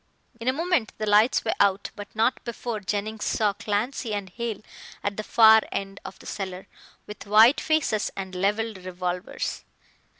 In a moment the lights were out, but not before Jennings saw Clancy and Hale at the far end of the cellar, with white faces and levelled revolvers.